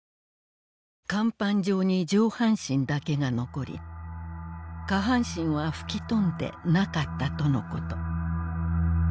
『甲板上に上半身だけがのこり下半身は吹き飛んでなかったとのこと』